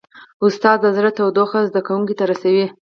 استاد د زړه تودوخه زده کوونکو ته رسوي.